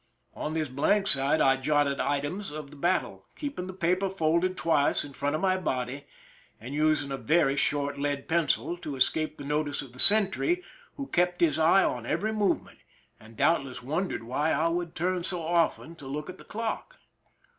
On this blank side I jotted items of the battle, keeping the paper folded twice, in front of my body, and using a very short lead pencil, to escape the notice of the sentry, who kept his eye on every movement, and doubtless wondered why I would turn so often to look at the clock.